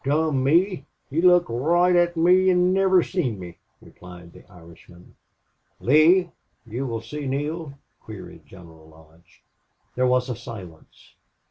Dom' me! he looked roight at me an' niver seen me," replied the Irishman. "Lee, you will see Neale?" queried General Lodge. There was a silence.